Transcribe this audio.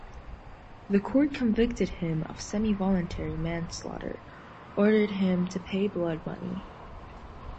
The court convicted him of semi-voluntary manslaughter, ordered him to pay blood money.